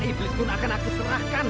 bahkan setan iblis pun akan aku serahkan